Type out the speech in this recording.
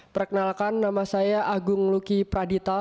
perkenalkan nama saya agung luki pradita